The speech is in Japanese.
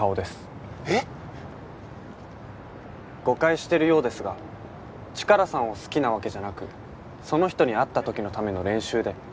誤解してるようですがチカラさんを好きなわけじゃなくその人に会った時のための練習で。